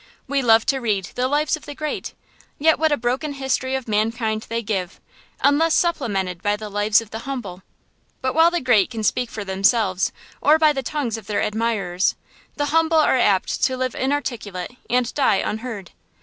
We love to read the lives of the great, yet what a broken history of mankind they give, unless supplemented by the lives of the humble. But while the great can speak for themselves, or by the tongues of their admirers, the humble are apt to live inarticulate and die unheard.